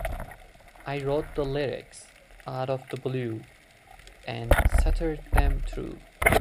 I wrote the lyrics, out of the blue, and stuttered them through.